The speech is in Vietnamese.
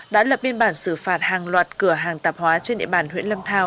đã lập biên bản xử phạt hàng loạt cửa hàng tạp hóa trên địa bàn huyện lâm thao